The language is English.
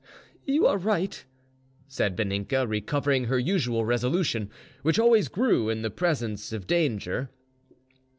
"You are right," said Vaninka, recovering her usual resolution, which always grew in the presence of danger.